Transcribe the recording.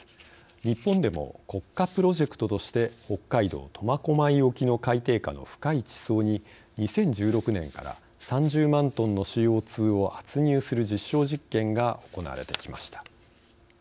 日本でも国家プロジェクトとして北海道苫小牧沖の海底下の深い地層に２０１６年から３０万トンのＣＯ２を圧入する実証試験が行われてきました。